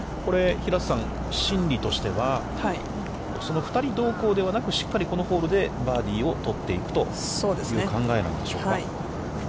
平瀬さん、心理としては、２人どうこうではなく、しっかり、このホールでバーディーを取っていくという考えなんでしょうか。